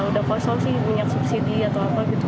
udah kosong sih minyak subsidi atau apa gitu